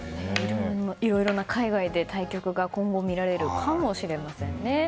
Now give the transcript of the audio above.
いろいろ海外で、対局が今後見られるかもしれませんね。